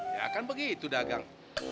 ya kan begitu dagang